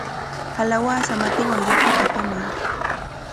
¡Kalawasa matiwan yakuta apamuy!